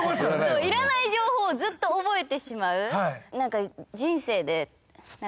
そういらない情報をずっと覚えてしまう。